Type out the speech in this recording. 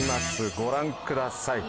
ご覧ください。